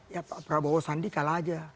ya pak prabowo sandi kalah aja